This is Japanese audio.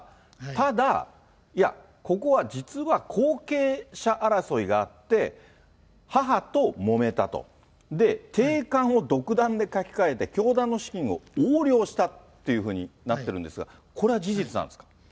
ただ、いや、ここは実は後継者争いがあって、母ともめたと、で、定款を独断で書き換えて、教団の資金を横領したっていうふうになってるんですが、これは事実なんですか？